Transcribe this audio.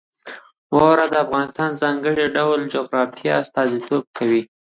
واوره د افغانستان د ځانګړي ډول جغرافیې استازیتوب کوي.